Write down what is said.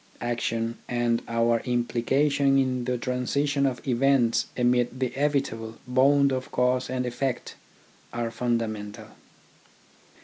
Action and our implication in the transition of events amid the evitable bond of cause to effect are fundamental.